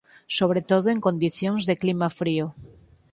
sobre todo en condicións de clima frío.